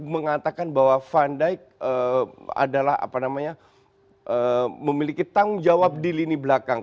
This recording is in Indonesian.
mengatakan bahwa van dijk adalah memiliki tanggung jawab di lini belakang